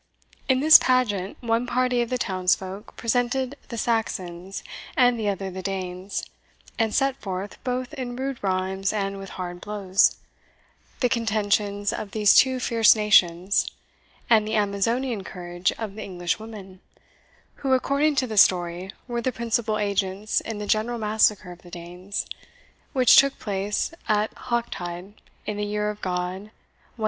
In this pageant one party of the townsfolk presented the Saxons and the other the Danes, and set forth, both in rude rhymes and with hard blows, the contentions of these two fierce nations, and the Amazonian courage of the English women, who, according to the story, were the principal agents in the general massacre of the Danes, which took place at Hocktide, in the year of God 1012.